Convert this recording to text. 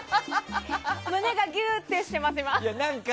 胸がギューッてします。